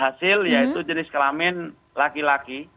hasil yaitu jenis kelamin laki laki